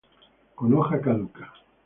Con hoja caduca.